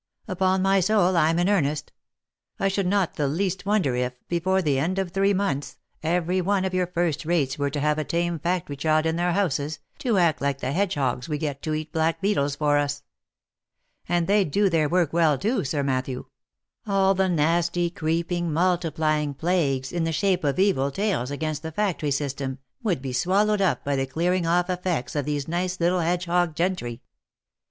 Upon my soul, I'm in earnest; I should not the least wonder if, before the end of three months, every one of your first rates were to have a tame factory child in their houses, to act like the hedgehogs we get to eat black beetles for us. And they'd do their work well too, Sir Matthew: all the nasty, creeping, multiplying plagues, in the shape of evil tales against the factory system, would be swallowed up by the clearing off effects of these nice little hedge hog gentry."